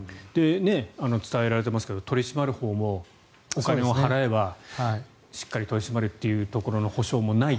伝えられていますが取り締まるほうもお金を払えばしっかり取り締まるという保証もないと。